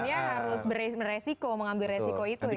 artinya harus beresiko mengambil resiko itu ya